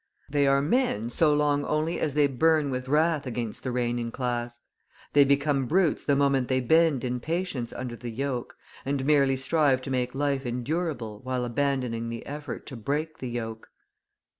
They are men so long only as they burn with wrath against the reigning class. They become brutes the moment they bend in patience under the yoke, and merely strive to make life endurable while abandoning the effort to break the yoke.